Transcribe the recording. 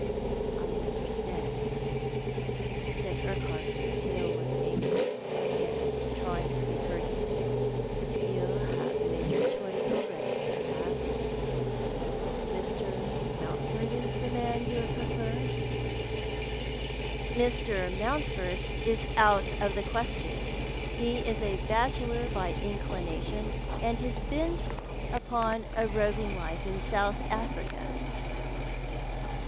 " I understand," said Urquhart, pale with anger, yet trying to be courteous. " You have made your choice already, per haps ? Mr. Mountford is the man you would prefer." " Mr. Mountford is out of the question. He is a bachelor by inclination, and is bent upon a roving life in South Africa."